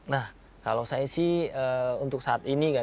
nah kalau saya sih untuk saat ini kan